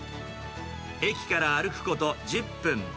駅から歩くこと１０分。